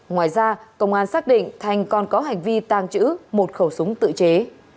ngoài ra công an xác định thành còn có hành vi tàng trữ một khẩu súng tự chế